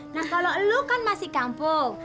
nah kalo lu kan masih kampung